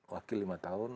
wakil lima tahun